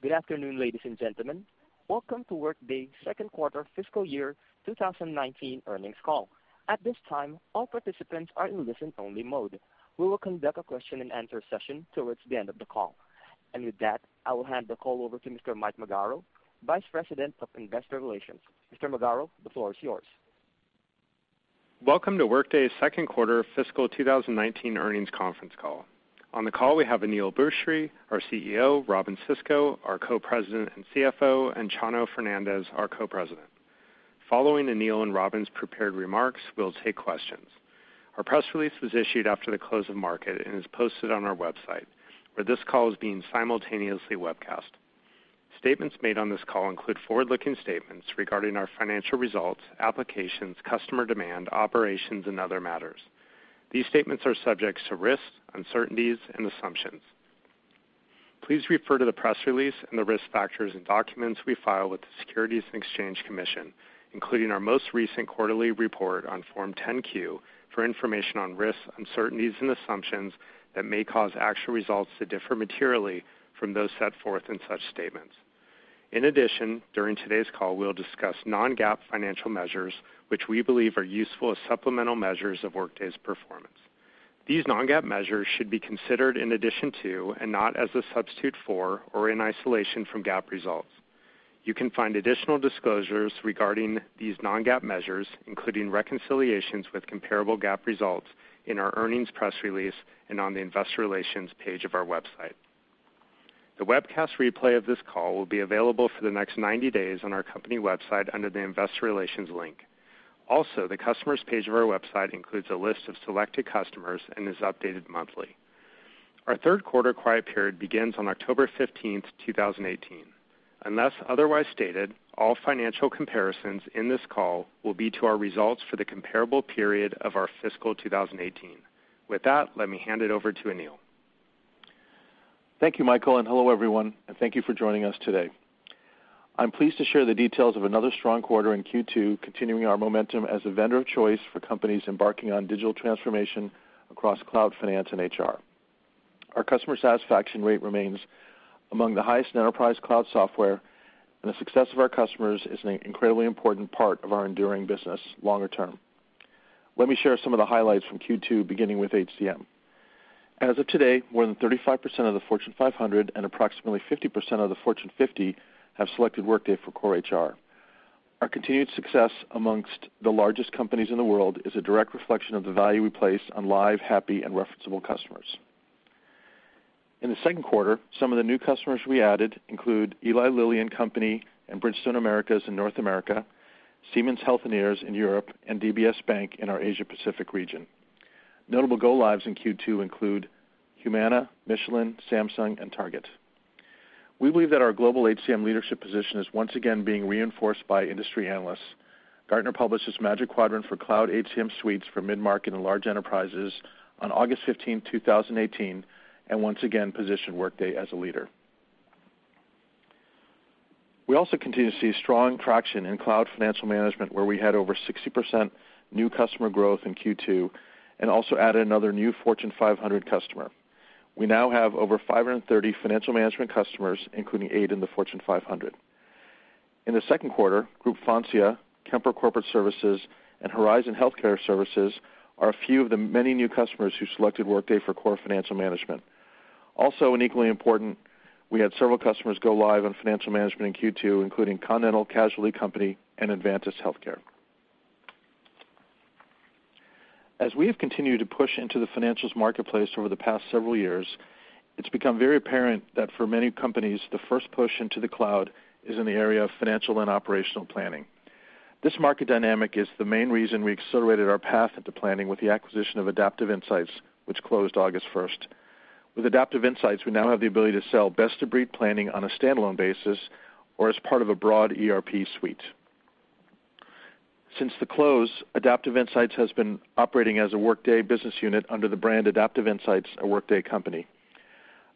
Good afternoon, ladies and gentlemen. Welcome to Workday's second quarter fiscal year 2019 earnings call. At this time, all participants are in listen only mode. We will conduct a question and answer session towards the end of the call. With that, I will hand the call over to Mr. Mike Magaro, Vice President of Investor Relations. Mr. Magaro, the floor is yours. Welcome to Workday's second quarter fiscal 2019 earnings conference call. On the call, we have Aneel Bhusri, our CEO, Robynne Sisco, our Co-President and CFO, and Chano Fernandez, our Co-President. Following Aneel and Robynne's prepared remarks, we'll take questions. Our press release was issued after the close of market and is posted on our website, where this call is being simultaneously webcast. Statements made on this call include forward-looking statements regarding our financial results, applications, customer demand, operations, and other matters. These statements are subject to risks, uncertainties, and assumptions. Please refer to the press release and the risk factors and documents we file with the Securities and Exchange Commission, including our most recent quarterly report on Form 10-Q, for information on risks, uncertainties, and assumptions that may cause actual results to differ materially from those set forth in such statements. In addition, during today's call, we'll discuss non-GAAP financial measures, which we believe are useful as supplemental measures of Workday's performance. These non-GAAP measures should be considered in addition to, and not as a substitute for or in isolation from GAAP results. You can find additional disclosures regarding these non-GAAP measures, including reconciliations with comparable GAAP results, in our earnings press release and on the investor relations page of our website. The webcast replay of this call will be available for the next 90 days on our company website under the investor relations link. Also, the customers page of our website includes a list of selected customers and is updated monthly. Our third quarter quiet period begins on October 15th, 2018. Unless otherwise stated, all financial comparisons in this call will be to our results for the comparable period of our fiscal 2018. With that, let me hand it over to Aneel. Thank you, Michael. Hello everyone, and thank you for joining us today. I'm pleased to share the details of another strong quarter in Q2, continuing our momentum as a vendor of choice for companies embarking on digital transformation across cloud finance and HR. Our customer satisfaction rate remains among the highest in enterprise cloud software. The success of our customers is an incredibly important part of our enduring business longer term. Let me share some of the highlights from Q2, beginning with HCM. As of today, more than 35% of the Fortune 500 and approximately 50% of the Fortune 50 have selected Workday for core HR. Our continued success amongst the largest companies in the world is a direct reflection of the value we place on live, happy, and referenceable customers. In the second quarter, some of the new customers we added include Eli Lilly and Company and Bridgestone Americas in North America, Siemens Healthineers in Europe, and DBS Bank in our Asia Pacific region. Notable go-lives in Q2 include Humana, Michelin, Samsung, and Target. We believe that our global HCM leadership position is once again being reinforced by industry analysts. Gartner published its Magic Quadrant for Cloud HCM Suites for Midmarket and Large Enterprises on August 15th, 2018, and once again positioned Workday as a leader. We also continue to see strong traction in cloud financial management, where we had over 60% new customer growth in Q2 and also added another new Fortune 500 customer. We now have over 530 financial management customers, including eight in the Fortune 500. In the second quarter, Groupe Foyer, Kemper Corporate Services, and Horizon Healthcare Services are a few of the many new customers who selected Workday for core financial management. Equally important, we had several customers go live on financial management in Q2, including Continental Casualty Company and Adventist HealthCare. As we have continued to push into the financials marketplace over the past several years, it's become very apparent that for many companies, the first push into the cloud is in the area of financial and operational planning. This market dynamic is the main reason we accelerated our path into planning with the acquisition of Adaptive Insights, which closed August 1st. With Adaptive Insights, we now have the ability to sell best-of-breed planning on a standalone basis or as part of a broad ERP suite. Since the close, Adaptive Insights has been operating as a Workday business unit under the brand Adaptive Insights, a Workday company.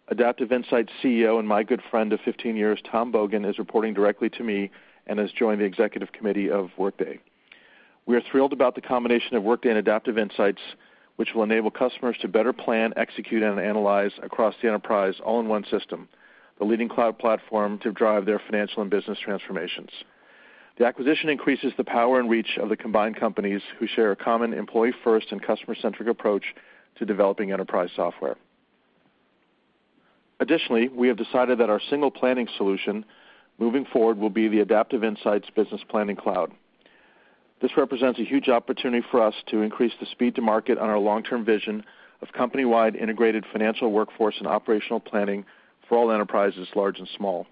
Adaptive Insights CEO, and my good friend of 15 years, Tom Bogan, is reporting directly to me and has joined the executive committee of Workday. We are thrilled about the combination of Workday and Adaptive Insights, which will enable customers to better plan, execute, and analyze across the enterprise all in one system, the leading cloud platform to drive their financial and business transformations. The acquisition increases the power and reach of the combined companies who share a common employee-first and customer-centric approach to developing enterprise software. We have decided that our single planning solution moving forward will be the Adaptive Insights Business Planning Cloud. This represents a huge opportunity for us to increase the speed to market on our long-term vision of company-wide integrated financial workforce and operational planning for all enterprises, large and small.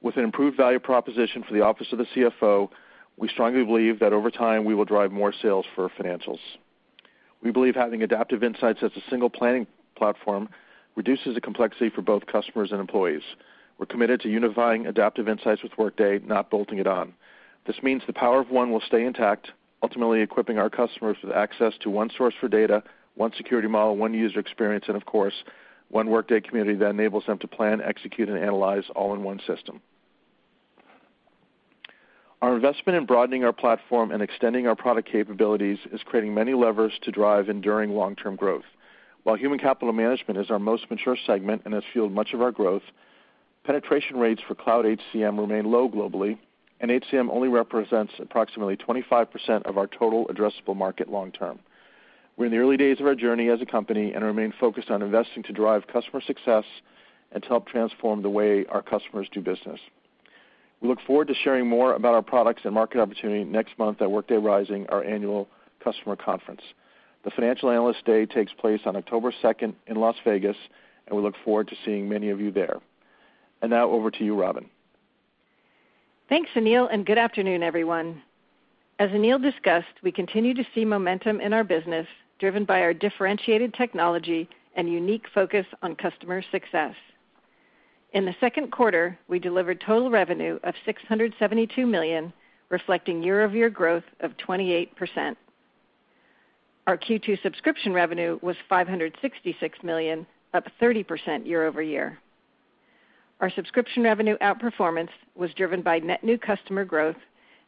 With an improved value proposition for the office of the CFO, we strongly believe that over time, we will drive more sales for financials. We believe having Adaptive Insights as a single planning platform reduces the complexity for both customers and employees. We're committed to unifying Adaptive Insights with Workday, not bolting it on. This means the power of one will stay intact, ultimately equipping our customers with access to one source for data, one security model, one user experience, and of course, one Workday community that enables them to plan, execute, and analyze all in one system. Our investment in broadening our platform and extending our product capabilities is creating many levers to drive enduring long-term growth. While human capital management is our most mature segment and has fueled much of our growth, penetration rates for cloud HCM remain low globally, HCM only represents approximately 25% of our total addressable market long term. We're in the early days of our journey as a company and remain focused on investing to drive customer success and to help transform the way our customers do business. We look forward to sharing more about our products and market opportunity next month at Workday Rising, our annual customer conference. The Financial Analyst Day takes place on October 2nd in Las Vegas, and we look forward to seeing many of you there. Now over to you, Robin. Thanks, Aneel, and good afternoon, everyone. As Aneel discussed, we continue to see momentum in our business, driven by our differentiated technology and unique focus on customer success. In the second quarter, we delivered total revenue of $672 million, reflecting year-over-year growth of 28%. Our Q2 subscription revenue was $566 million, up 30% year-over-year. Our subscription revenue outperformance was driven by net new customer growth,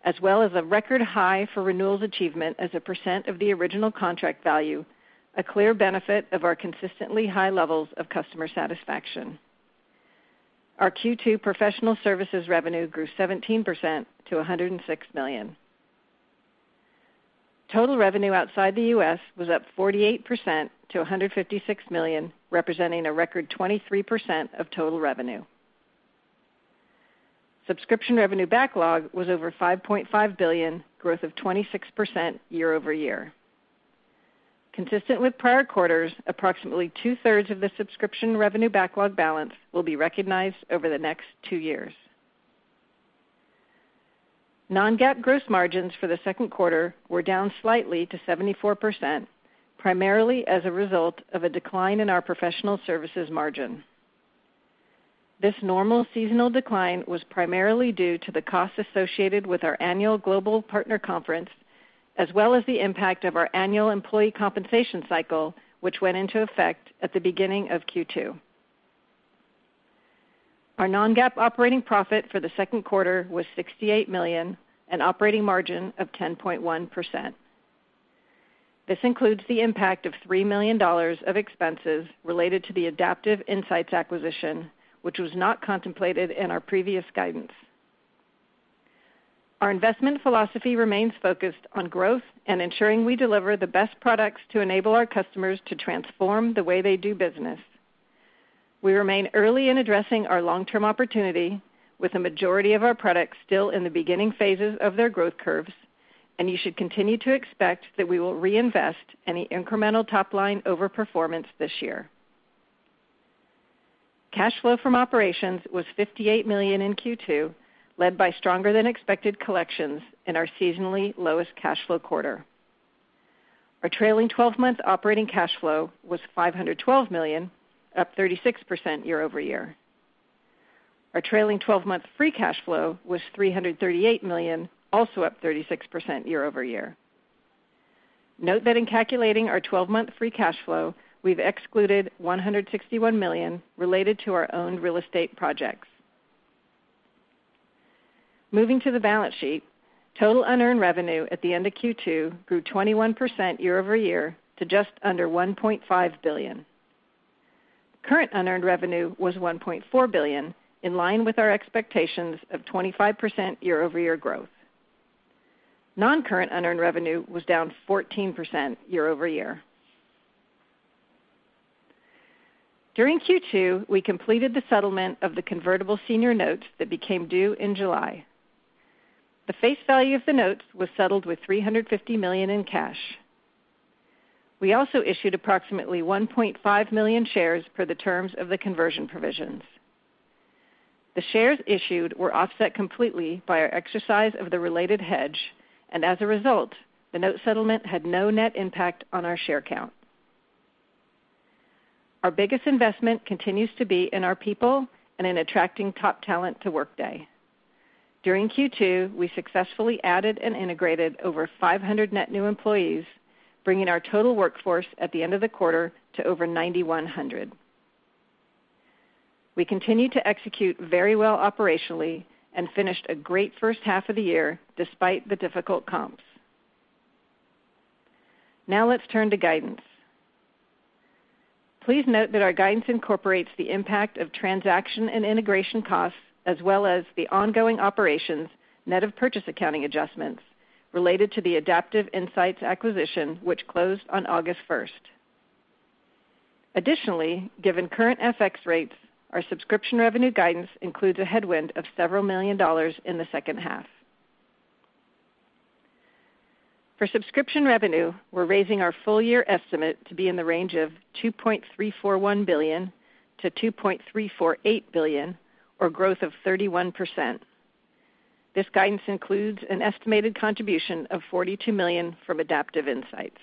as well as a record high for renewals achievement as a percent of the original contract value, a clear benefit of our consistently high levels of customer satisfaction. Our Q2 professional services revenue grew 17% to $106 million. Total revenue outside the U.S. was up 48% to $156 million, representing a record 23% of total revenue. Subscription revenue backlog was over $5.5 billion, growth of 26% year-over-year. Consistent with prior quarters, approximately two-thirds of the subscription revenue backlog balance will be recognized over the next two years. Non-GAAP gross margins for the second quarter were down slightly to 74%, primarily as a result of a decline in our professional services margin. This normal seasonal decline was primarily due to the costs associated with our annual global partner conference, as well as the impact of our annual employee compensation cycle, which went into effect at the beginning of Q2. Our non-GAAP operating profit for the second quarter was $68 million, an operating margin of 10.1%. This includes the impact of $3 million of expenses related to the Adaptive Insights acquisition, which was not contemplated in our previous guidance. Our investment philosophy remains focused on growth and ensuring we deliver the best products to enable our customers to transform the way they do business. We remain early in addressing our long-term opportunity with a majority of our products still in the beginning phases of their growth curves, you should continue to expect that we will reinvest any incremental top-line overperformance this year. Cash flow from operations was $58 million in Q2, led by stronger-than-expected collections in our seasonally lowest cash flow quarter. Our trailing 12-month operating cash flow was $512 million, up 36% year-over-year. Our trailing 12-month free cash flow was $338 million, also up 36% year-over-year. Note that in calculating our 12-month free cash flow, we've excluded $161 million related to our owned real estate projects. Moving to the balance sheet, total unearned revenue at the end of Q2 grew 21% year-over-year to just under $1.5 billion. Current unearned revenue was $1.4 billion, in line with our expectations of 25% year-over-year growth. Non-current unearned revenue was down 14% year-over-year. During Q2, we completed the settlement of the convertible senior notes that became due in July. The face value of the notes was settled with $350 million in cash. We also issued approximately 1.5 million shares per the terms of the conversion provisions. The shares issued were offset completely by our exercise of the related hedge, as a result, the note settlement had no net impact on our share count. Our biggest investment continues to be in our people and in attracting top talent to Workday. During Q2, we successfully added and integrated over 500 net new employees, bringing our total workforce at the end of the quarter to over 9,100. We continue to execute very well operationally and finished a great first half of the year despite the difficult comps. Now let's turn to guidance. Please note that our guidance incorporates the impact of transaction and integration costs, as well as the ongoing operations net of purchase accounting adjustments related to the Adaptive Insights acquisition, which closed on August 1st. Additionally, given current FX rates, our subscription revenue guidance includes a headwind of several million dollars in the second half. For subscription revenue, we're raising our full-year estimate to be in the range of $2.341 billion-$2.348 billion, or growth of 31%. This guidance includes an estimated contribution of $42 million from Adaptive Insights.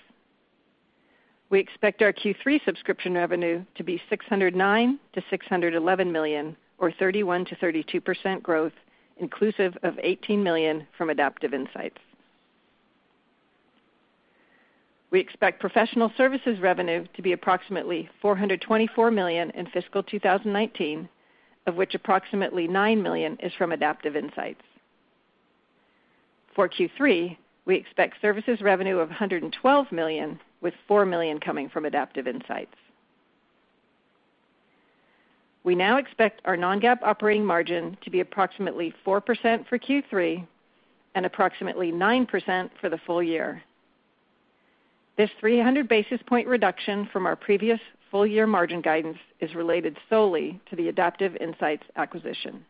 We expect our Q3 subscription revenue to be $609 million-$611 million, or 31%-32% growth, inclusive of $18 million from Adaptive Insights. We expect professional services revenue to be approximately $424 million in fiscal 2019, of which approximately $9 million is from Adaptive Insights. For Q3, we expect services revenue of $112 million, with $4 million coming from Adaptive Insights. We now expect our non-GAAP operating margin to be approximately 4% for Q3 and approximately 9% for the full year. This 300-basis point reduction from our previous full-year margin guidance is related solely to the Adaptive Insights acquisition.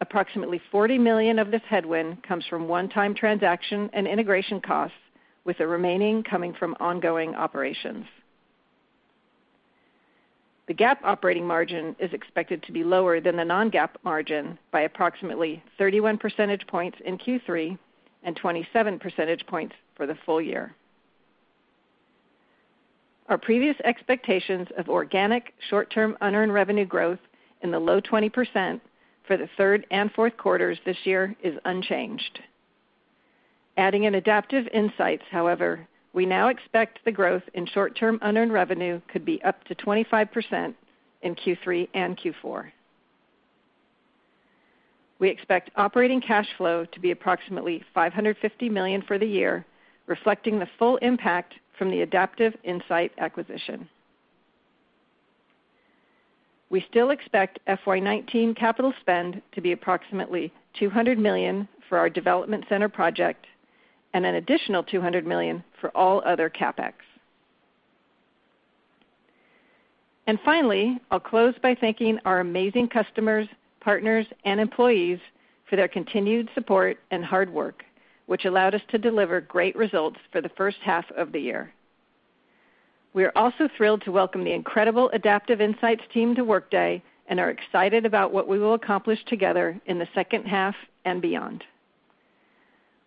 Approximately $40 million of this headwind comes from one-time transaction and integration costs, with the remaining coming from ongoing operations. The GAAP operating margin is expected to be lower than the non-GAAP margin by approximately 31 percentage points in Q3 and 27 percentage points for the full year. Our previous expectations of organic short-term unearned revenue growth in the low 20% for the third and fourth quarters this year is unchanged. Adding in Adaptive Insights, however, we now expect the growth in short-term unearned revenue could be up to 25% in Q3 and Q4. We expect operating cash flow to be approximately $550 million for the year, reflecting the full impact from the Adaptive Insights acquisition. We still expect FY 2019 capital spend to be approximately $200 million for our development center project and an additional $200 million for all other CapEx. Finally, I'll close by thanking our amazing customers, partners, and employees for their continued support and hard work, which allowed us to deliver great results for the first half of the year. We are also thrilled to welcome the incredible Adaptive Insights team to Workday and are excited about what we will accomplish together in the second half and beyond.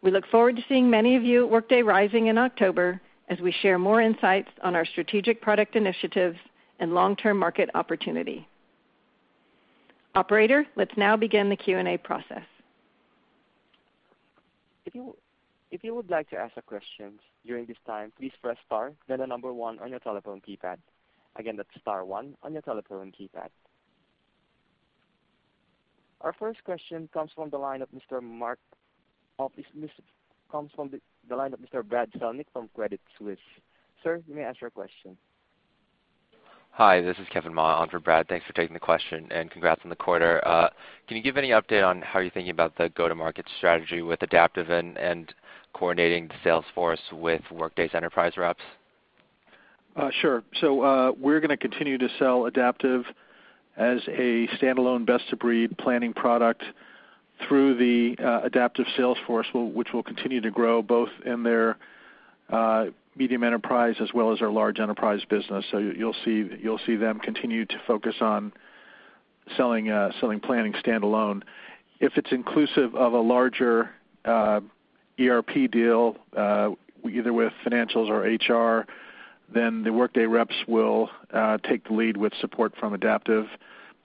We look forward to seeing many of you at Workday Rising in October as we share more insights on our strategic product initiatives and long-term market opportunity. Operator, let's now begin the Q&A process. If you would like to ask a question during this time, please press star, then the number 1 on your telephone keypad. Again, that's star 1 on your telephone keypad. Our first question comes from the line of Mr. Brad Zelnick from Credit Suisse. Sir, you may ask your question. Hi, this is Kevin Ma on for Brad. Thanks for taking the question and congrats on the quarter. Can you give any update on how you're thinking about the go-to-market strategy with Adaptive and coordinating the salesforce with Workday's enterprise reps? Sure. We're going to continue to sell Adaptive as a standalone best-of-breed planning product through the Adaptive salesforce, which will continue to grow both in their medium enterprise as well as our large enterprise business. You'll see them continue to focus on selling planning standalone. If it's inclusive of a larger ERP deal, either with financials or HR, then the Workday reps will take the lead with support from Adaptive,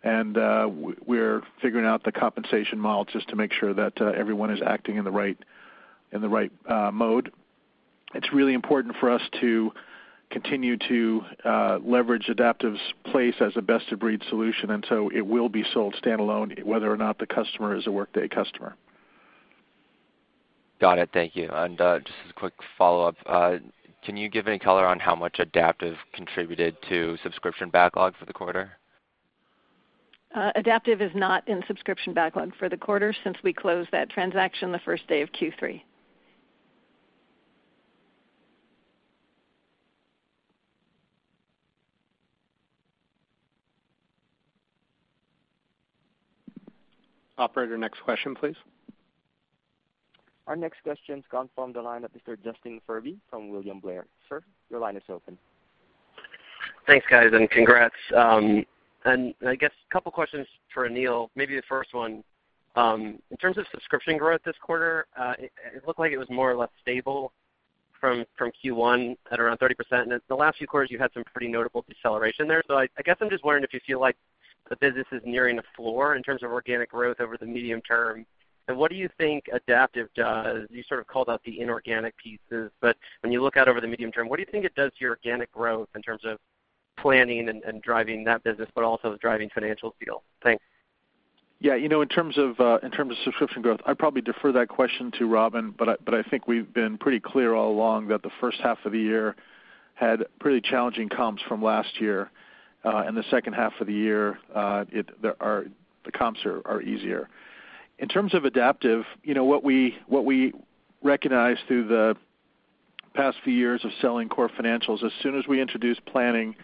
we're figuring out the compensation model just to make sure that everyone is acting in the right mode. It's really important for us to continue to leverage Adaptive's place as a best-of-breed solution, so it will be sold standalone, whether or not the customer is a Workday customer. Got it. Thank you. Just as a quick follow-up, can you give any color on how much Adaptive contributed to subscription backlog for the quarter? Adaptive is not in subscription backlog for the quarter since we closed that transaction the first day of Q3. Operator, next question, please. Our next question comes from the line of Mr. Justin Furby from William Blair. Sir, your line is open. Thanks, guys, and congrats. I guess a couple questions for Aneel. Maybe the first one. In terms of subscription growth this quarter, it looked like it was more or less stable from Q1 at around 30%, and the last few quarters, you had some pretty notable deceleration there. I guess I'm just wondering if you feel like the business is nearing the floor in terms of organic growth over the medium term, and what do you think Adaptive does? You sort of called out the inorganic pieces, but when you look out over the medium term, what do you think it does to your organic growth in terms of planning and driving that business, but also driving financial deal? Thanks. Yeah. In terms of subscription growth, I'd probably defer that question to Robin, but I think we've been pretty clear all along that the first half of the year had pretty challenging comps from last year. In the second half of the year, the comps are easier. In terms of Adaptive, what we recognized through the past few years of selling core financials, as soon as we introduced planning,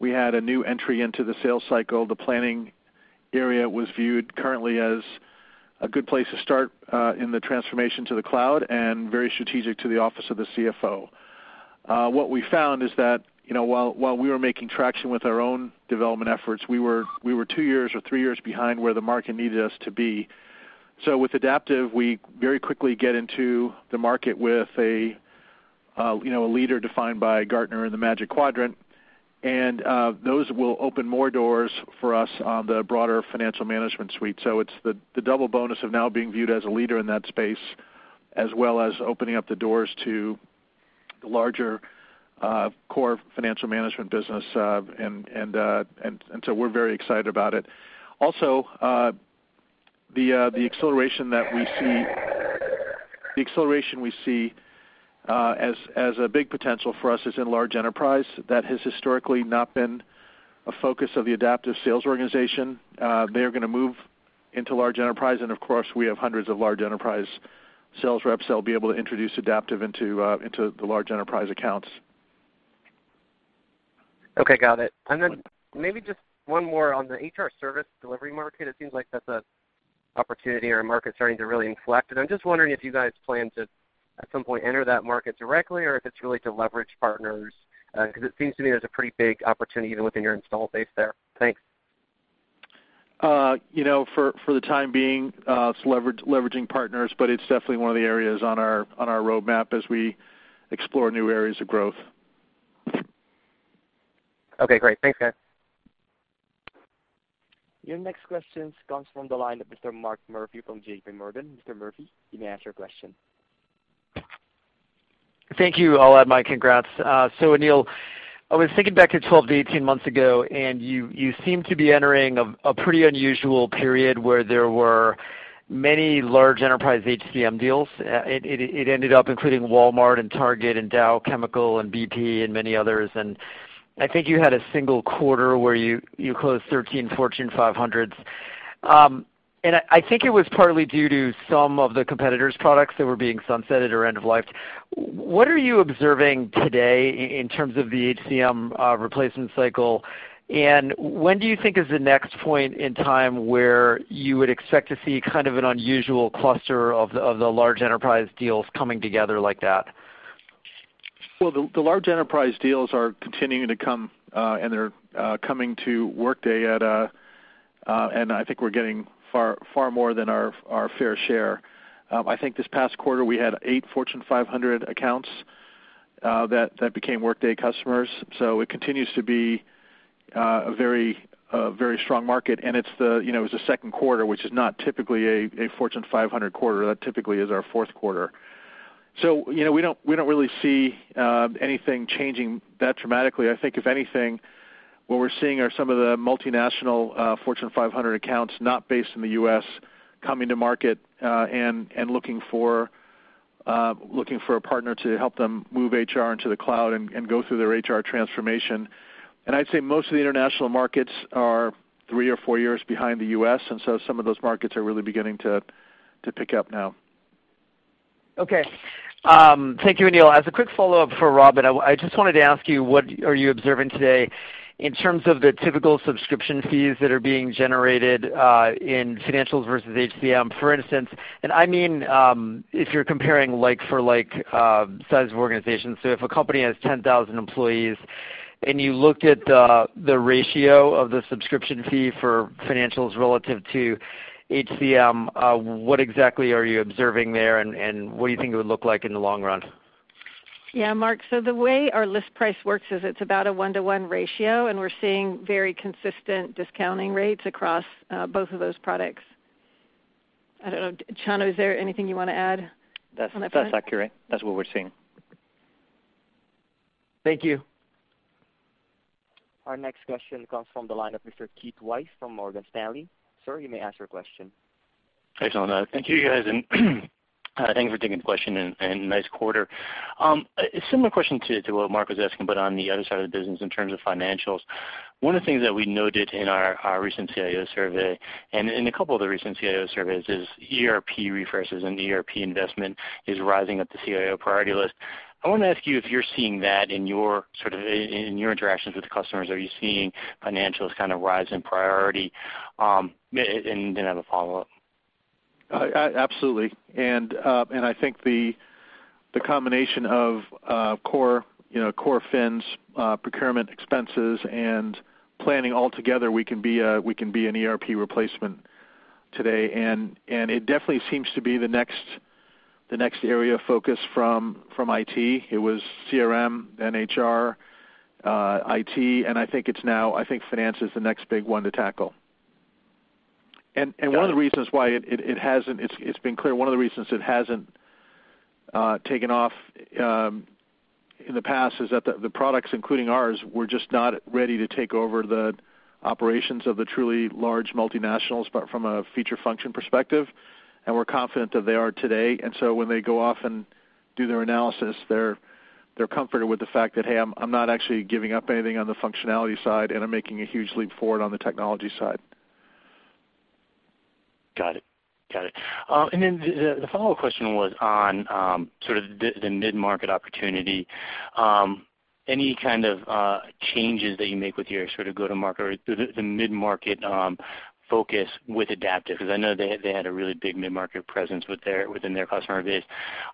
we had a new entry into the sales cycle. The planning area was viewed currently as a good place to start in the transformation to the cloud and very strategic to the office of the CFO. What we found is that while we were making traction with our own development efforts, we were two years or three years behind where the market needed us to be. With Adaptive, we very quickly get into the market with a leader defined by Gartner in the Magic Quadrant. Those will open more doors for us on the broader financial management suite. It's the double bonus of now being viewed as a leader in that space, as well as opening up the doors to the larger core financial management business, and so we're very excited about it. Also, the acceleration we see as a big potential for us is in large enterprise. That has historically not been a focus of the Adaptive sales organization. They are going to move into large enterprise, and of course, we have hundreds of large enterprise sales reps that will be able to introduce Adaptive into the large enterprise accounts. Okay, got it. Maybe just one more on the HR service delivery market, it seems like that's an opportunity or a market starting to really inflect, and I'm just wondering if you guys plan to, at some point, enter that market directly or if it's really to leverage partners. Because it seems to me there's a pretty big opportunity within your install base there. Thanks. For the time being, it's leveraging partners, but it's definitely one of the areas on our roadmap as we explore new areas of growth. Okay, great. Thanks, guys. Your next question comes from the line of Mr. Mark Murphy from J.P. Morgan. Mr. Murphy, you may ask your question. Thank you. I'll add my congrats. Aneel, I was thinking back to 12 to 18 months ago, and you seem to be entering a pretty unusual period where there were many large enterprise HCM deals. It ended up including Walmart and Target and Dow Chemical and BP and many others. I think you had a single quarter where you closed 13 Fortune 500s. I think it was partly due to some of the competitors' products that were being sunsetted or end of life. What are you observing today in terms of the HCM replacement cycle, and when do you think is the next point in time where you would expect to see kind of an unusual cluster of the large enterprise deals coming together like that? Well, the large enterprise deals are continuing to come, and they're coming to Workday, and I think we're getting far more than our fair share. I think this past quarter, we had eight Fortune 500 accounts that became Workday customers. It continues to be a very strong market, and it's the second quarter, which is not typically a Fortune 500 quarter. That typically is our fourth quarter. We don't really see anything changing that dramatically. I think if anything, what we're seeing are some of the multinational Fortune 500 accounts not based in the U.S. coming to market, and looking for a partner to help them move HR into the cloud and go through their HR transformation. I'd say most of the international markets are three or four years behind the U.S., and some of those markets are really beginning to pick up now. Okay. Thank you, Aneel. As a quick follow-up for Robin, I just wanted to ask you, what are you observing today in terms of the typical subscription fees that are being generated in financials versus HCM? For instance, I mean, if you're comparing like-for-like size of organizations, if a company has 10,000 employees and you look at the ratio of the subscription fee for financials relative to HCM, what exactly are you observing there, and what do you think it would look like in the long run? Yeah, Mark, the way our list price works is it's about a one-to-one ratio, and we're seeing very consistent discounting rates across both of those products. I don't know, Chano, is there anything you want to add on that front? That's accurate. That's what we're seeing. Thank you. Our next question comes from the line of Mr. Keith Weiss from Morgan Stanley. Sir, you may ask your question. Excellent. Thank you, guys, and thanks for taking the question, and nice quarter. Similar question to what Mark was asking, but on the other side of the business in terms of financials. One of the things that we noted in our recent CIO survey and in a couple of the recent CIO surveys is ERP refreshes and ERP investment is rising up the CIO priority list. I want to ask you if you're seeing that in your interactions with the customers. Are you seeing financials rise in priority? Then I have a follow-up. Absolutely. I think the combination of core fins, procurement expenses, and planning altogether, we can be an ERP replacement today. It definitely seems to be the next area of focus from IT. It was CRM, then HR, IT, and I think finance is the next big one to tackle. Got it. It's been clear one of the reasons it hasn't taken off in the past is that the products, including ours, were just not ready to take over the operations of the truly large multinationals, but from a feature function perspective, we're confident that they are today. When they go off and do their analysis, they're comforted with the fact that, "Hey, I'm not actually giving up anything on the functionality side, and I'm making a huge leap forward on the technology side. Got it. The follow-up question was on the mid-market opportunity. Any kind of changes that you make with your go-to-market or the mid-market focus with Adaptive, because I know they had a really big mid-market presence within their customer base.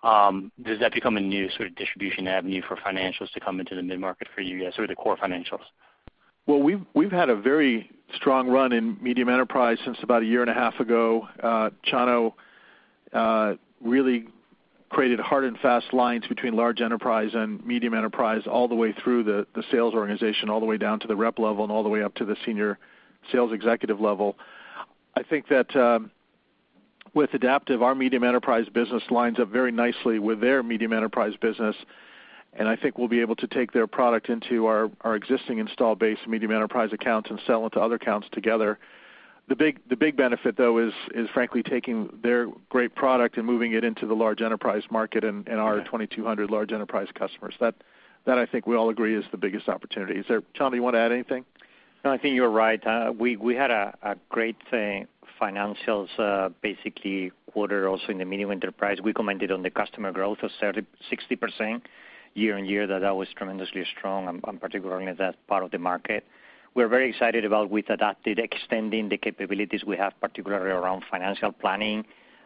Does that become a new distribution avenue for financials to come into the mid-market for you guys, or the core financials? We've had a very strong run in medium enterprise since about a year and a half ago. Chano really created hard and fast lines between large enterprise and medium enterprise all the way through the sales organization, all the way down to the rep level and all the way up to the senior sales executive level. I think that with Adaptive, our medium enterprise business lines up very nicely with their medium enterprise business, and I think we'll be able to take their product into our existing install base medium enterprise accounts and sell into other accounts together. The big benefit, though, is frankly taking their great product and moving it into the large enterprise market and our 2,200 large enterprise customers. Chano, you want to add anything? No, I think you're right. We had a great financials quarter also in the mid-market. We commented on the customer growth of 60% year-over-year, that was tremendously strong, and particularly in that part of the market. We're very excited about with Adaptive extending the capabilities we have, particularly around financial planning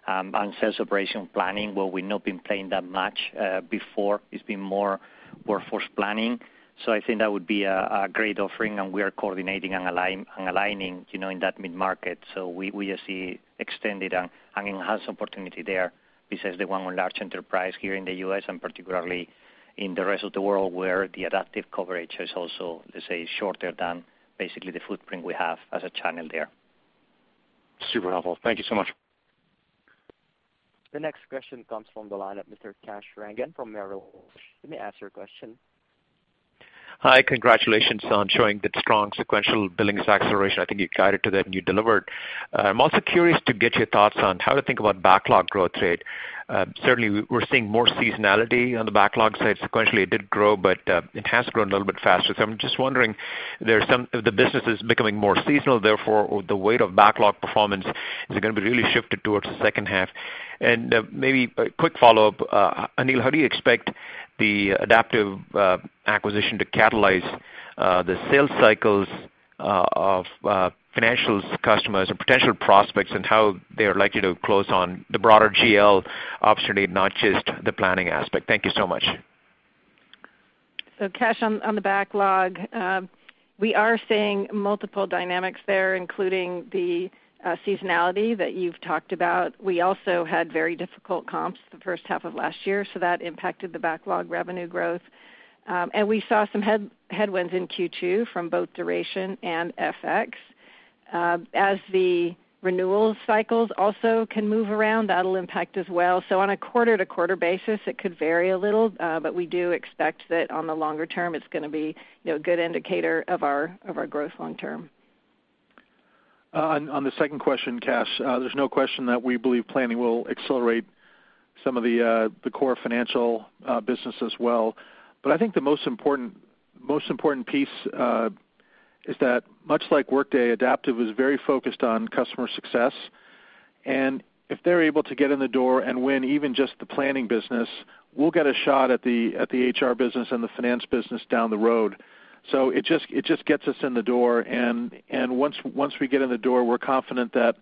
and sales operation planning, where we've not been playing that much before. It's been more workforce planning. I think that would be a great offering, and we are coordinating and aligning in that mid-market. We just see extended and enhanced opportunity there, besides the one with large enterprise here in the U.S. and particularly in the rest of the world, where the Adaptive coverage is also, let's say, shorter than the footprint we have as a channel there. Super helpful. Thank you so much. The next question comes from the line of Kash Rangan from Merrill Lynch. You may ask your question. Hi. Congratulations on showing the strong sequential billings acceleration. I think you guided to that, and you delivered. I'm also curious to get your thoughts on how to think about backlog growth rate. Certainly, we're seeing more seasonality on the backlog side. Sequentially, it did grow, but it has grown a little bit faster. I'm just wondering if the business is becoming more seasonal, therefore, the weight of backlog performance is going to be really shifted towards the second half. Maybe a quick follow-up. Aneel, how do you expect the Adaptive acquisition to catalyze the sales cycles of financials customers or potential prospects, and how they are likely to close on the broader GL opportunity, not just the planning aspect? Thank you so much. Kash, on the backlog, we are seeing multiple dynamics there, including the seasonality that you've talked about. We also had very difficult comps the first half of last year, that impacted the backlog revenue growth. We saw some headwinds in Q2 from both duration and FX. As the renewal cycles also can move around, that'll impact as well. On a quarter-to-quarter basis, it could vary a little, but we do expect that on the longer term, it's going to be a good indicator of our growth long term. On the second question, Kash, there's no question that we believe planning will accelerate some of the core financial business as well. I think the most important piece is that much like Workday, Adaptive was very focused on customer success. If they're able to get in the door and win even just the planning business, we'll get a shot at the HR business and the finance business down the road. It just gets us in the door, and once we get in the door, we're confident that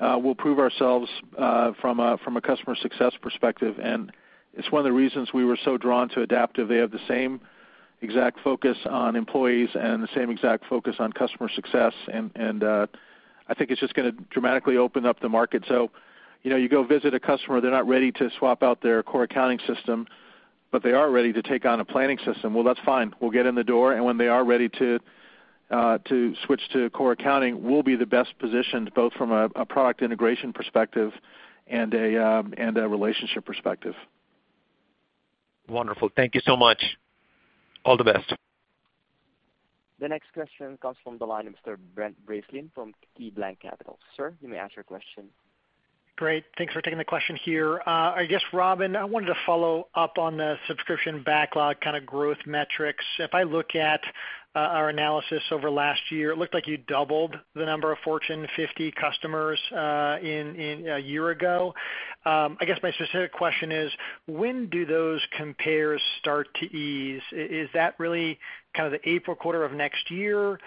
we'll prove ourselves from a customer success perspective, and it's one of the reasons we were so drawn to Adaptive. They have the same exact focus on employees and the same exact focus on customer success, and I think it's just going to dramatically open up the market. You go visit a customer, they're not ready to swap out their core accounting system, but they are ready to take on a planning system. Well, that's fine. We'll get in the door, and when they are ready to switch to core accounting, we'll be the best positioned, both from a product integration perspective and a relationship perspective. Wonderful. Thank you so much. All the best. The next question comes from the line of Mr. Brent Bracelin from KeyBanc Capital. Sir, you may ask your question. Great. Thanks for taking the question here. I guess, Robynne, I wanted to follow up on the subscription backlog growth metrics. If I look at our analysis over last year, it looked like you doubled the number of Fortune 50 customers a year ago. I guess my specific question is, when do those compares start to ease? Is that really the April quarter of next year?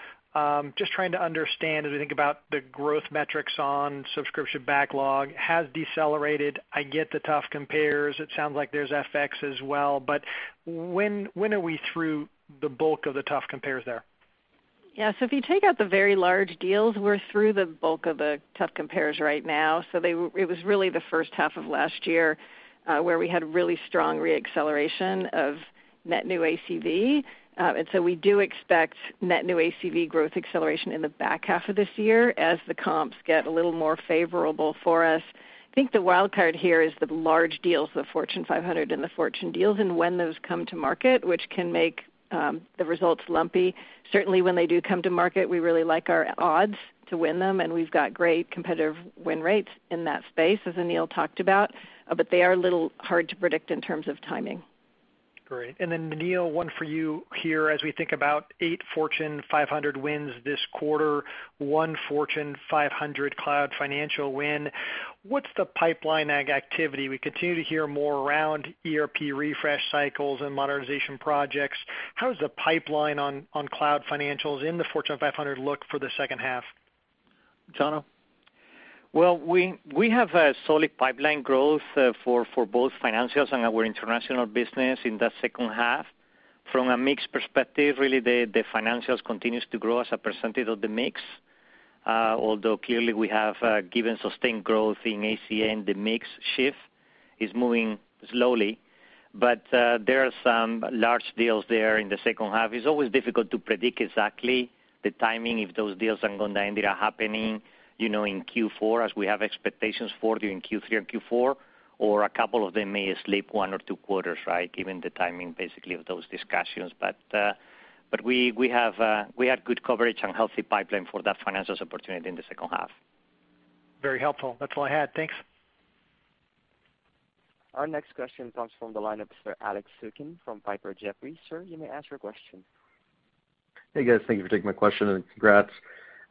Just trying to understand as we think about the growth metrics on subscription backlog has decelerated. I get the tough compares. It sounds like there's FX as well, when are we through the bulk of the tough compares there? If you take out the very large deals, we're through the bulk of the tough compares right now. It was really the first half of last year where we had really strong re-acceleration of net new ACV. We do expect net new ACV growth acceleration in the back half of this year as the comps get a little more favorable for us. I think the wild card here is the large deals, the Fortune 500 and the Fortune deals, and when those come to market, which can make the results lumpy. Certainly, when they do come to market, we really like our odds to win them, and we've got great competitive win rates in that space, as Aneel talked about, they are a little hard to predict in terms of timing. Great. Aneel, one for you here. As we think about eight Fortune 500 wins this quarter, one Fortune 500 cloud financial win, what's the pipeline activity? We continue to hear more around ERP refresh cycles and modernization projects. How does the pipeline on cloud financials in the Fortune 500 look for the second half? Chano? Well, we have a solid pipeline growth for both financials and our international business in the second half. From a mix perspective, really, the financials continues to grow as a percentage of the mix, although clearly we have given sustained growth in HCM, the mix shift is moving slowly. There are some large deals there in the second half. It's always difficult to predict exactly the timing if those deals are going to end up happening, in Q4, as we have expectations for during Q3 or Q4, or a couple of them may slip one or two quarters, given the timing basically of those discussions. We have good coverage and healthy pipeline for that financials opportunity in the second half. Very helpful. That's all I had. Thanks. Our next question comes from the line of Sir Alex Zukin from Piper Jaffray. Sir, you may ask your question. Hey, guys. Thank you for taking my question, congrats.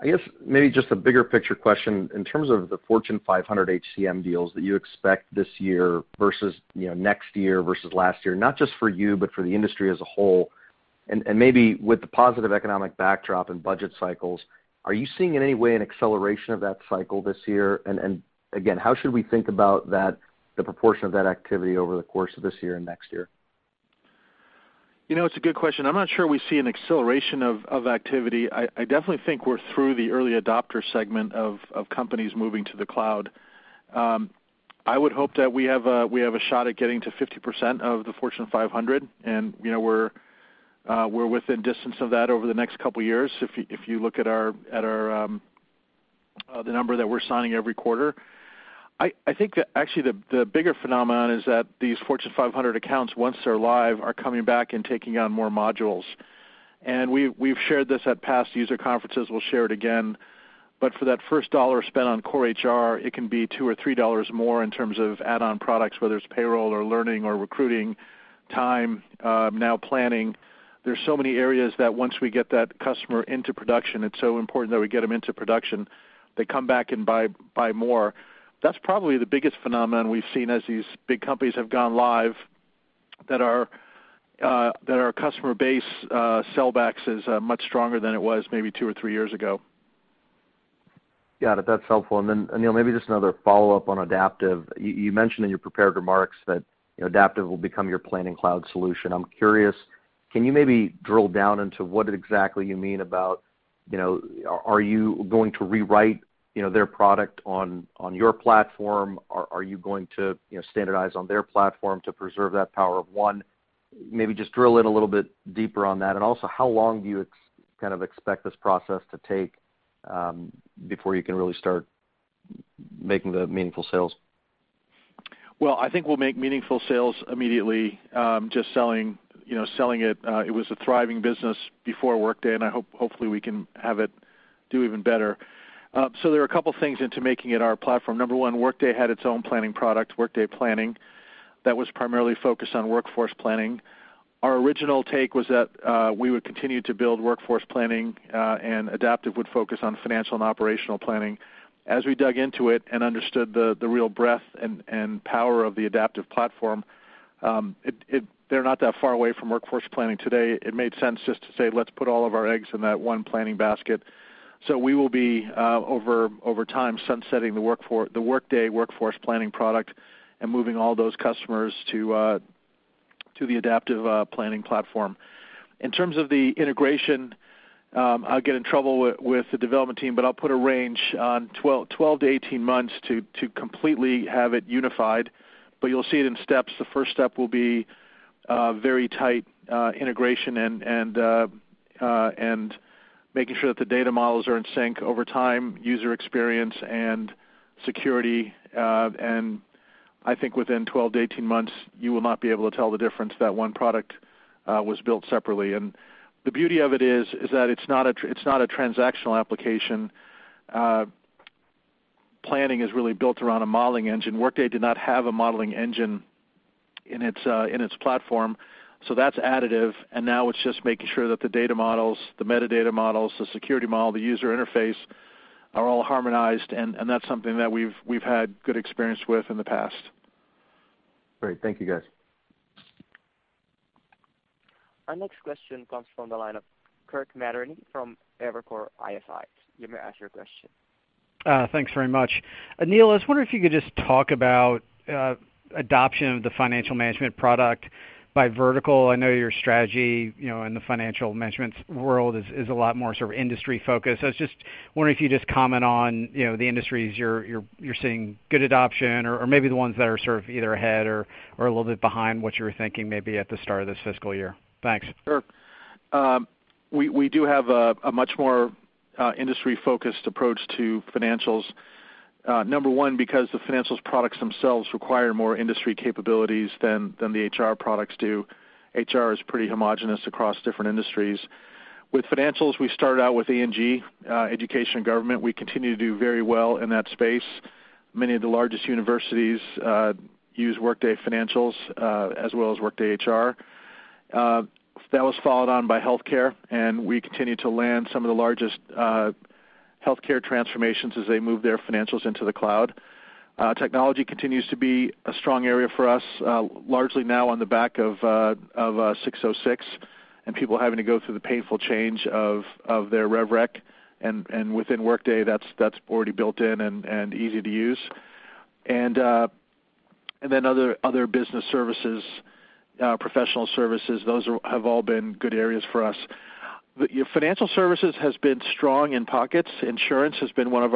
I guess maybe just a bigger picture question in terms of the Fortune 500 HCM deals that you expect this year versus next year versus last year, not just for you, but for the industry as a whole. Maybe with the positive economic backdrop and budget cycles, are you seeing in any way an acceleration of that cycle this year? Again, how should we think about the proportion of that activity over the course of this year and next year? It's a good question. I'm not sure we see an acceleration of activity. I definitely think we're through the early adopter segment of companies moving to the cloud. I would hope that we have a shot at getting to 50% of the Fortune 500, and we're within distance of that over the next couple of years, if you look at the number that we're signing every quarter. I think actually the bigger phenomenon is that these Fortune 500 accounts, once they're live, are coming back and taking on more modules. We've shared this at past user conferences, we'll share it again, but for that first dollar spent on Core HR, it can be two or three dollars more in terms of add-on products, whether it's payroll or learning or recruiting time, now planning. There's so many areas that once we get that customer into production, it's so important that we get them into production. They come back and buy more. That's probably the biggest phenomenon we've seen as these big companies have gone live, that our customer base sellbacks is much stronger than it was maybe two or three years ago. Got it. That's helpful. Aneel, maybe just another follow-up on Adaptive. You mentioned in your prepared remarks that Adaptive will become your planning cloud solution. I'm curious, can you maybe drill down into what exactly you mean about, are you going to rewrite their product on your platform? Are you going to standardize on their platform to preserve that power of one? Maybe just drill in a little bit deeper on that. How long do you expect this process to take before you can really start making the meaningful sales? Well, I think we'll make meaningful sales immediately. Just selling it was a thriving business before Workday, and hopefully we can have it do even better. There are a couple of things into making it our platform. Number one, Workday had its own planning product, Workday Planning. That was primarily focused on workforce planning. Our original take was that we would continue to build workforce planning, and Adaptive would focus on financial and operational planning. As we dug into it and understood the real breadth and power of the Adaptive platform, they're not that far away from workforce planning today. It made sense just to say, let's put all of our eggs in that one planning basket. We will be, over time, sunsetting the Workday workforce planning product and moving all those customers to the Adaptive planning platform. In terms of the integration, I'll get in trouble with the development team, but I'll put a range on 12 to 18 months to completely have it unified, but you'll see it in steps. The first step will be very tight integration and making sure that the data models are in sync over time, user experience, and security. I think within 12 to 18 months, you will not be able to tell the difference that one product was built separately. The beauty of it is that it's not a transactional application. Planning is really built around a modeling engine. Workday did not have a modeling engine in its platform, so that's additive, and now it's just making sure that the data models, the metadata models, the security model, the user interface are all harmonized, and that's something that we've had good experience with in the past. Great. Thank you, guys. Our next question comes from the line of Kirk Materne from Evercore ISI. You may ask your question. Thanks very much. Aneel, I was wondering if you could just talk about adoption of the financial management product by vertical. I know your strategy in the financial management world is a lot more industry-focused. I was just wondering if you'd just comment on the industries you're seeing good adoption, or maybe the ones that are either ahead or a little bit behind what you were thinking maybe at the start of this fiscal year. Thanks. Sure. We do have a much more industry-focused approach to financials. Number one, because the financials products themselves require more industry capabilities than the HR products do. HR is pretty homogenous across different industries. With financials, we started out with E&G, education and government. We continue to do very well in that space. Many of the largest universities use Workday financials as well as Workday HR. That was followed on by healthcare, and we continue to land some of the largest healthcare transformations as they move their financials into the cloud. Technology continues to be a strong area for us, largely now on the back of 606. People having to go through the painful change of their rev rec. Within Workday, that's already built-in and easy to use. Other business services, professional services, those have all been good areas for us. Financial services has been strong in pockets. Insurance has been one of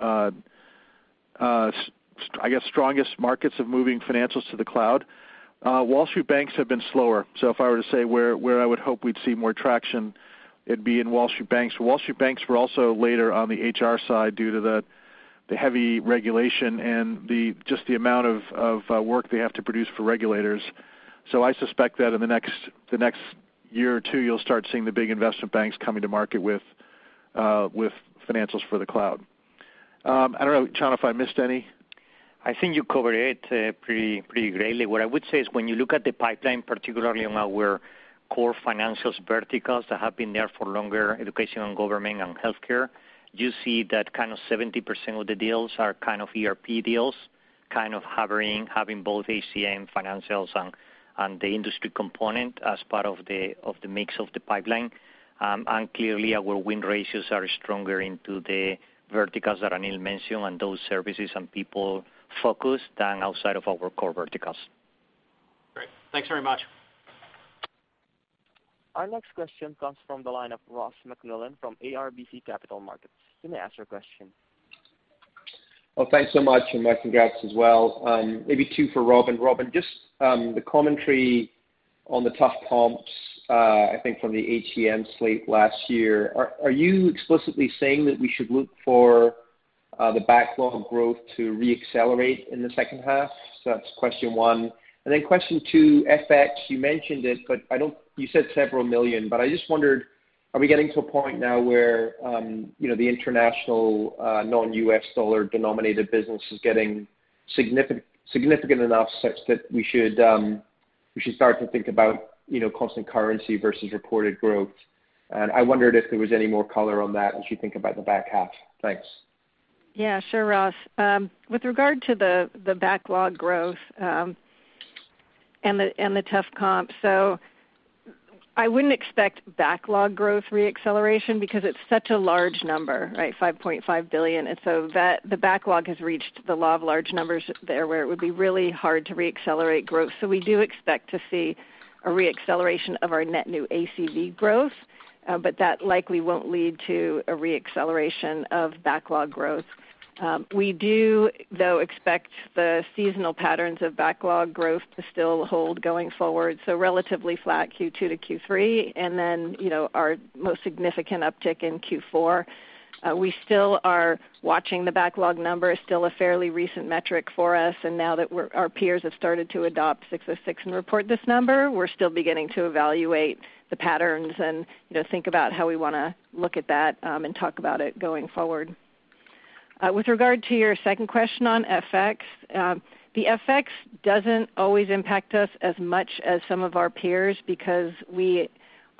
our, I guess, strongest markets of moving financials to the cloud. Wall Street banks have been slower. If I were to say where I would hope we'd see more traction, it'd be in Wall Street banks. Wall Street banks were also later on the HR side due to the heavy regulation and just the amount of work they have to produce for regulators. I suspect that in the next year or two, you'll start seeing the big investment banks coming to market with financials for the cloud. I don't know, Chano, if I missed any. I think you covered it pretty greatly. What I would say is when you look at the pipeline, particularly on our core financials verticals that have been there for longer, education and government and healthcare, you see that kind of 70% of the deals are kind of ERP deals, kind of having both HCM financials and the industry component as part of the mix of the pipeline. Clearly, our win ratios are stronger into the verticals that Aneel mentioned and those services and people focus than outside of our core verticals. Great. Thanks very much. Our next question comes from the line of Ross MacMillan from RBC Capital Markets. You may ask your question. Well, thanks so much, and my congrats as well. Maybe two for Robin. Robin, just the commentary on the tough comps, I think from the HCM slate last year. Are you explicitly saying that we should look for the backlog growth to re-accelerate in the second half? That's question one. Question two, FX, you mentioned it, but you said several million, but I just wondered, are we getting to a point now where the international non-U.S. dollar denominated business is getting significant enough such that we should start to think about constant currency versus reported growth? And I wondered if there was any more color on that as you think about the back half. Thanks. Sure, Ross. With regard to the backlog growth, and the tough comps. I wouldn't expect backlog growth re-acceleration because it's such a large number, right? $5.5 billion. The backlog has reached the law of large numbers there, where it would be really hard to re-accelerate growth. We do expect to see a re-acceleration of our net new ACV growth, but that likely won't lead to a re-acceleration of backlog growth. We do, though, expect the seasonal patterns of backlog growth to still hold going forward. Relatively flat Q2 to Q3, and then our most significant uptick in Q4. We still are watching the backlog number. It's still a fairly recent metric for us, and now that our peers have started to adopt 606 and report this number, we're still beginning to evaluate the patterns and think about how we want to look at that and talk about it going forward. With regard to your second question on FX, the FX doesn't always impact us as much as some of our peers because we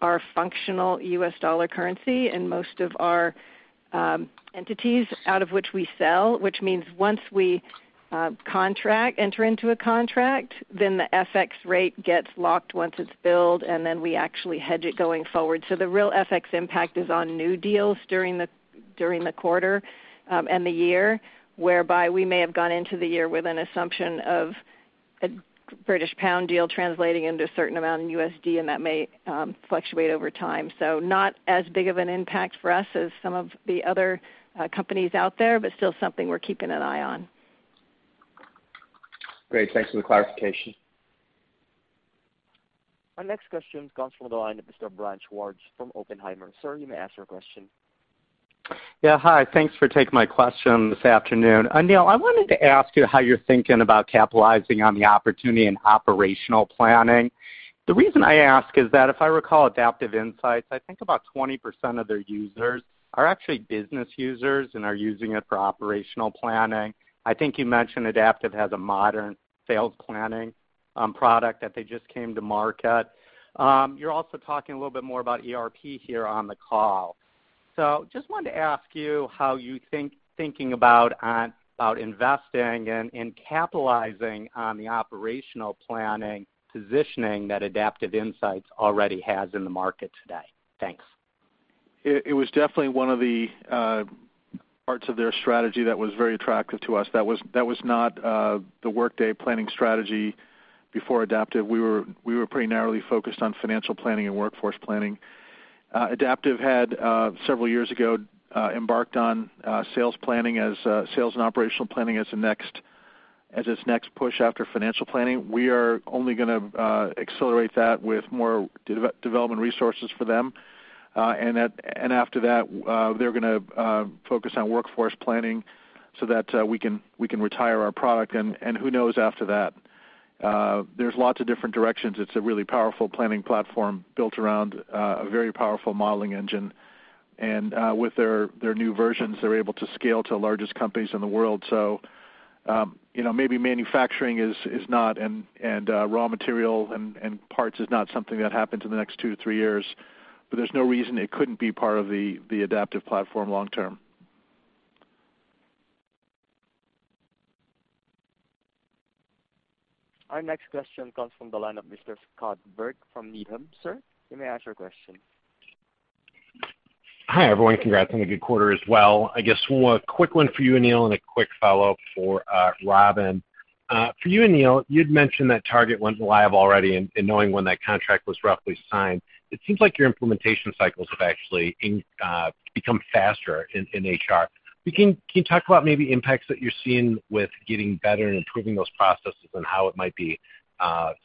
are functional U.S. dollar currency in most of our entities out of which we sell, which means once we contract, enter into a contract, then the FX rate gets locked once it's billed, and then we actually hedge it going forward. The real FX impact is on new deals during the quarter and the year, whereby we may have gone into the year with an assumption of a British pound deal translating into a certain amount in USD, and that may fluctuate over time. Not as big of an impact for us as some of the other companies out there, but still something we're keeping an eye on. Great. Thanks for the clarification. Our next question comes from the line of Mr. Brian Schwartz from Oppenheimer. Sir, you may ask your question. Yeah. Hi. Thanks for taking my question this afternoon. Aneel, I wanted to ask you how you're thinking about capitalizing on the opportunity in operational planning. The reason I ask is that if I recall Adaptive Insights, I think about 20% of their users are actually business users and are using it for operational planning. I think you mentioned Adaptive has a modern sales planning product that they just came to market. You're also talking a little bit more about ERP here on the call. Just wanted to ask you how you're thinking about investing and capitalizing on the operational planning positioning that Adaptive Insights already has in the market today. Thanks. It was definitely one of the parts of their strategy that was very attractive to us. That was not the Workday planning strategy before Adaptive. We were pretty narrowly focused on financial planning and workforce planning. Adaptive had, several years ago, embarked on sales and operational planning as its next push after financial planning. We are only going to accelerate that with more development resources for them. And after that, they're going to focus on workforce planning so that we can retire our product, and who knows after that. There's lots of different directions. It's a really powerful planning platform built around a very powerful modeling engine. And with their new versions, they're able to scale to the largest companies in the world. Maybe manufacturing and raw material and parts is not something that happens in the next two to three years, there's no reason it couldn't be part of the Adaptive platform long term. Our next question comes from the line of Mr. Scott Berg from Needham. Sir, you may ask your question. Hi, everyone. Congrats on a good quarter as well. I guess one quick one for you, Aneel, and a quick follow-up for Robynne. For you, Aneel, you'd mentioned that Target went live already, and knowing when that contract was roughly signed, it seems like your implementation cycles have actually become faster in HR. Can you talk about maybe impacts that you're seeing with getting better and improving those processes and how it might be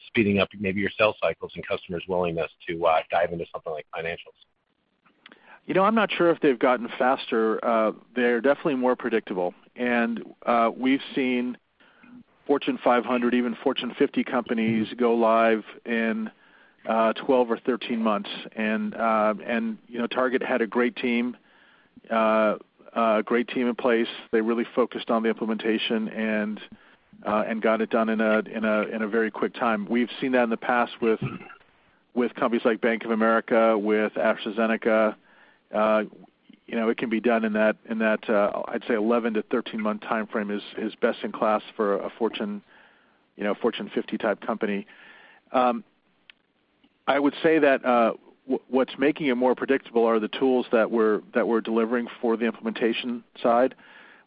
speeding up maybe your sales cycles and customers' willingness to dive into something like financials? I'm not sure if they've gotten faster. They're definitely more predictable. We've seen Fortune 500, even Fortune 50 companies, go live in 12 or 13 months. Target had a great team in place. They really focused on the implementation and got it done in a very quick time. We've seen that in the past with companies like Bank of America, with AstraZeneca. It can be done in that, I'd say, 11 to 13-month timeframe is best in class for a Fortune 50-type company. I would say that what's making it more predictable are the tools that we're delivering for the implementation side.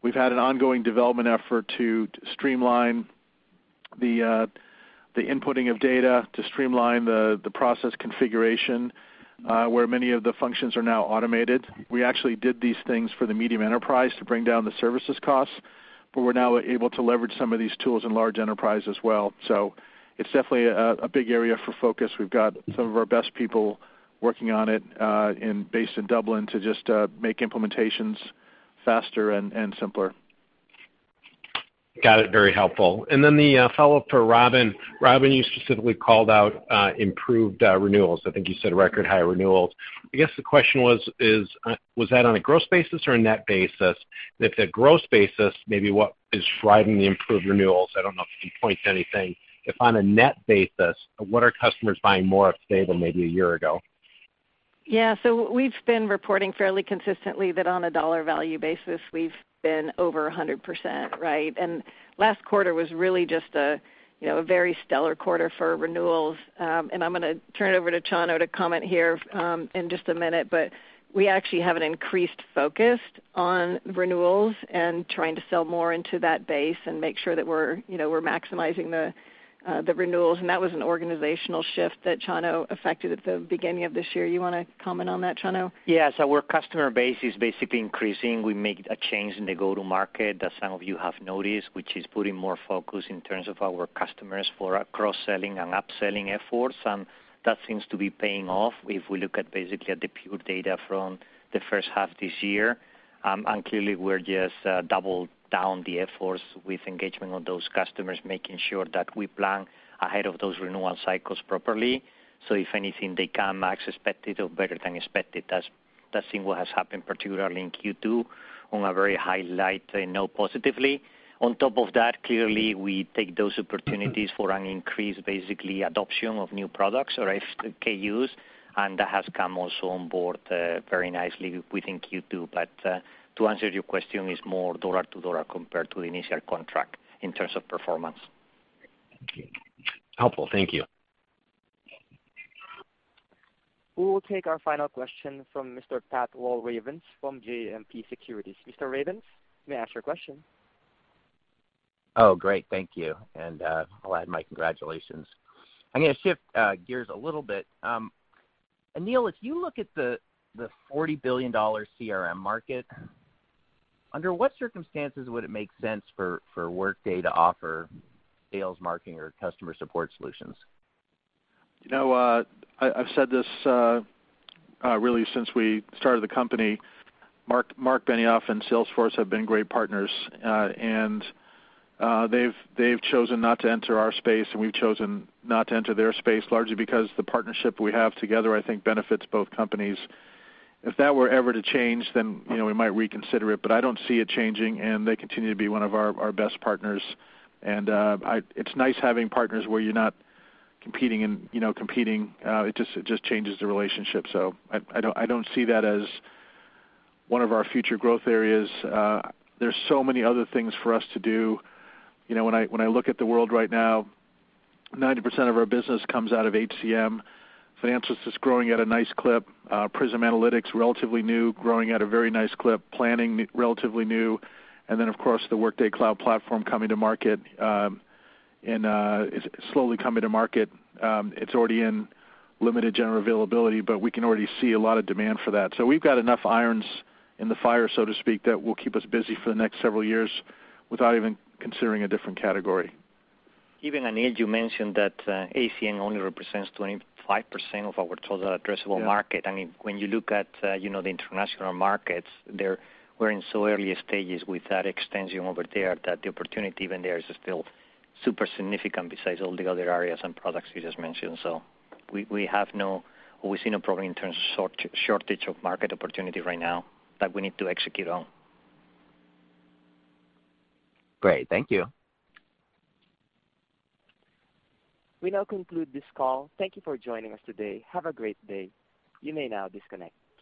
We've had an ongoing development effort to streamline the inputting of data, to streamline the process configuration, where many of the functions are now automated. We actually did these things for the medium enterprise to bring down the services costs, we're now able to leverage some of these tools in large enterprise as well. It's definitely a big area of focus. We've got some of our best people working on it based in Dublin to just make implementations faster and simpler. Got it. Very helpful. Then the follow-up for Robynne. Robynne, you specifically called out improved renewals. I think you said record high renewals. I guess the question was that on a gross basis or a net basis? If a gross basis, maybe what is driving the improved renewals? I don't know if you can point to anything. If on a net basis, what are customers buying more of today than maybe a year ago? Yeah. We've been reporting fairly consistently that on a dollar value basis, we've been over 100%, right? Last quarter was really just a very stellar quarter for renewals. I'm going to turn it over to Chano to comment here in just a minute, we actually have an increased focus on renewals and trying to sell more into that base and make sure that we're maximizing the renewals. That was an organizational shift that Chano affected at the beginning of this year. You want to comment on that, Chano? Yeah. Our customer base is basically increasing. We made a change in the go-to-market that some of you have noticed, which is putting more focus in terms of our customers for our cross-selling and upselling efforts. That seems to be paying off if we look at basically at the pure data from the first half of this year. Clearly, we're just double down the efforts with engagement on those customers, making sure that we plan ahead of those renewal cycles properly. If anything, they come as expected or better than expected. That's what has happened, particularly in Q2, on a very highlight, I know positively. On top of that, clearly, we take those opportunities for an increased, basically, adoption of new products or SKUs, and that has come also on board very nicely within Q2. To answer your question, it's more dollar to dollar compared to the initial contract in terms of performance. Thank you. Helpful. Thank you. We will take our final question from Mr. Pat Walravens from JMP Securities. Mr. Walravens, you may ask your question. Oh, great. Thank you. I'll add my congratulations. I'm going to shift gears a little bit. Aneel, if you look at the $40 billion CRM market, under what circumstances would it make sense for Workday to offer sales, marketing, or customer support solutions? I've said this really since we started the company, Marc Benioff and Salesforce have been great partners, and they've chosen not to enter our space, and we've chosen not to enter their space, largely because the partnership we have together, I think, benefits both companies. If that were ever to change, we might reconsider it. I don't see it changing, and they continue to be one of our best partners. It's nice having partners where you're not competing. It just changes the relationship. I don't see that as one of our future growth areas. There's so many other things for us to do. When I look at the world right now, 90% of our business comes out of HCM. Financials is growing at a nice clip. Prism Analytics, relatively new, growing at a very nice clip. Planning, relatively new. Of course, the Workday Cloud Platform coming to market, and it's slowly coming to market. It's already in limited general availability, we can already see a lot of demand for that. We've got enough irons in the fire, so to speak, that will keep us busy for the next several years without even considering a different category. Even, Aneel, you mentioned that HCM only represents 25% of our total addressable market. Yeah. I mean, when you look at the international markets, we're in so early stages with that extension over there that the opportunity even there is still super significant besides all the other areas and products you just mentioned. We see no problem in terms of shortage of market opportunity right now that we need to execute on. Great. Thank you. We now conclude this call. Thank you for joining us today. Have a great day. You may now disconnect.